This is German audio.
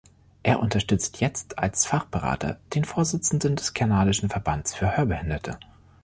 Er unterstützt jetzt als Fachberater den Vorsitzenden des kanadischen Verbands für Hörbehinderte.